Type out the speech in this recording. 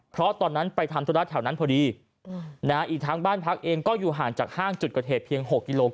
เพราะตอนนั้นไปทำธุระแถวนั้นพอดีอีกทั้งบ้านพักเองก็อยู่ห่างจากห้างจุดเกิดเหตุเพียง๖กิโลกร